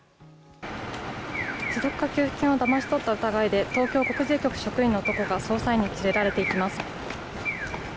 持続化給付金をだまし取った疑いで、東京国税局職員の男が捜査員に連れられていきます。